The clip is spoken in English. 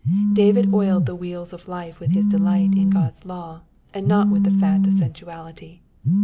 David oiled the wheels of life with his delight in God's law, and not with the fat of sensuality.